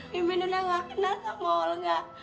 mimin udah nggak kena sama olga